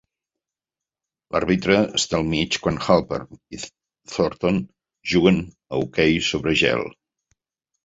L'àrbitre està al mig quan Halpern i Thornton juguen a hoquei sobre gel.